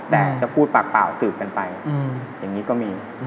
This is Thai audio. แต่จะพูดปากเปล่าสืบกันไปอย่างนี้ก็มี